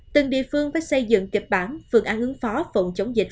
từng địa phương phải xây dựng kịch bản phương án ứng phó phòng chống dịch